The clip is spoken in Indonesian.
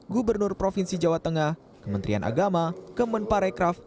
gubernur provinsi jawa tengah kementerian agama kemenparekraf